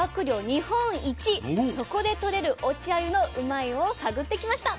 そこでとれる落ちあゆのうまいッ！を探ってきました。